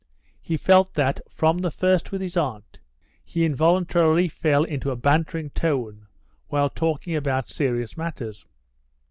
He felt that from the first, with his aunt, he involuntarily fell into a bantering tone while talking about serious matters.